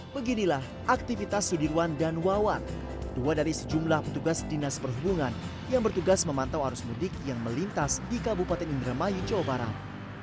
beginilah aktivitas sudirwan dan wawan dua dari sejumlah petugas dinas perhubungan yang bertugas memantau arus mudik yang melintas di kabupaten indramayu jawa barat